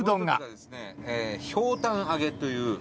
伊達：ひょうたん揚げという。